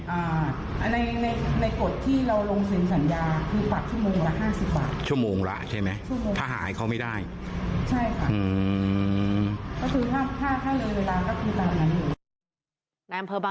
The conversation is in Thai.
ในในในกฎที่เราลงสินสัญญาคือปักชั่วโมงละห้าสิบบาท